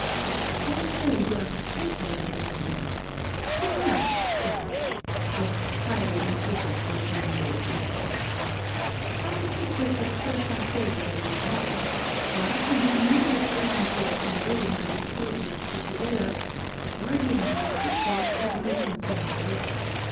'Once more, you are mistaken, Mr. Valmont. Hear me out, Sir,' for his fiery impatience was again blazing forth. 'How the secret was first unfolded I know not; but, in the immediate agency of conveying this intelligence to Sibella, the guardian you speak of had no concern whatever.